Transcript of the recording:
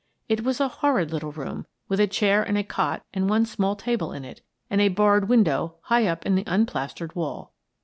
It was a horrid little room, with a chair and a cot and one small table in it, and a barred window high up in the unplastered wall.